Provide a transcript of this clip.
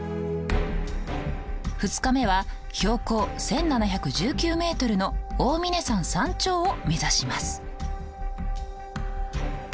２日目は標高１，７１９メートルの大峯山山頂を目指します。